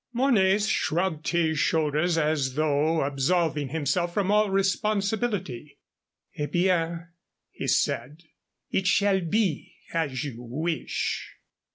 Mornay shrugged his shoulders as though absolving himself from all responsibility. "Eh bien," he said. "It shall be as you wish."